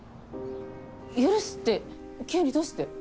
許すって急にどうして？